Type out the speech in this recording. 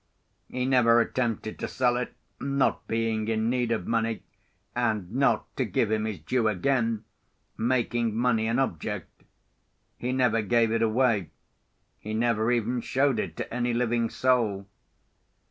He never attempted to sell it—not being in need of money, and not (to give him his due again) making money an object. He never gave it away; he never even showed it to any living soul.